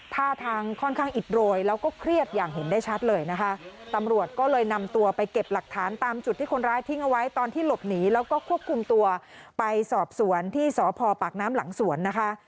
ท่าทางค่อนข้างอิดโรยแล้วก็เครียดอย่างเห็นได้ชัดเลยนะคะตำรวจก็เลยนำตัวไปเก็บหลักฐานตามจุดที่คนร้ายทิ้งเอาไว้ตอนที่หลบหนีแล้วก็ควบคุมตัวไปสอบสวนที่สพปากน้ำหลังสวนนะคะ